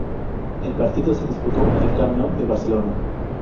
El partido se disputó en el Camp Nou de Barcelona.